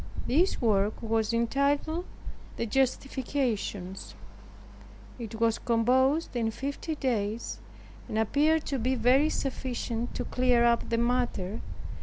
This work was entitled, 'THE JUSTIFICATIONS.' It was composed in fifty days, and appeared to be very sufficient to clear up the matter.